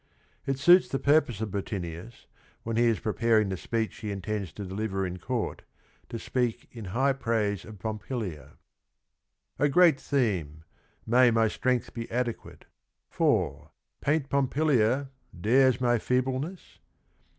It su its the p urpose of Bottinius, when he is p reparin g the speech he intends to deliver in court, to sp eak in high jHJ aTse of Pomp ilia : "A great theme: may my strength be adequate I For — paint Pompilia, dares my feebleness?